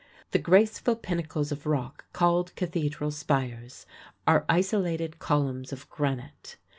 The graceful pinnacles of rock called Cathedral Spires are isolated columns of granite.